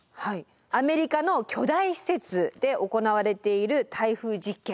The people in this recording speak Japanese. アメリカの巨大施設で行われている耐風実験。